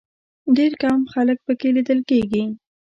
ډېر کم خلک په کې لیدل کېږي.